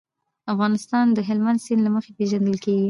افغانستان د هلمند سیند له مخې پېژندل کېږي.